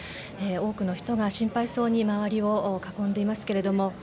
多くの人が心配そうに周りを囲んでいます。